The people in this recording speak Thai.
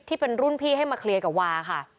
ที่เป็นรุ่นพี่ให้มาเคลียร์กับวาค่ะ